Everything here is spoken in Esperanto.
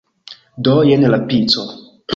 Do, jen la pico